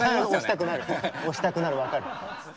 押したくなる分かる。